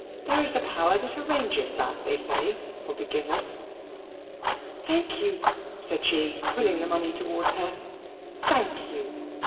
There is a power that arranges that, they say, for beginners. "Thank you," said she, pulling the money towards her, "thank you.